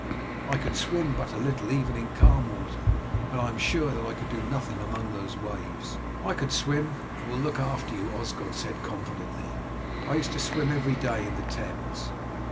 "I can swim but little even in calm water, and I am sure that I could do nothing among those waves." "I can swim, and will look after you," Osgod said confidently. "I used to swim every day in the Thames."